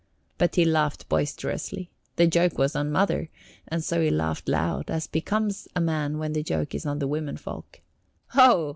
But he laughed boisterously. The joke was on Mother, and so he laughed loud, as becomes a man when the joke is on the women folk. "Ho!"